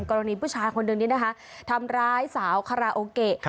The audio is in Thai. กรณีผู้ชายคนหนึ่งนี้นะคะทำร้ายสาวคาราโอเกะ